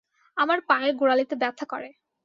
আমার পায়ের গোরালিতে ব্যথা করে।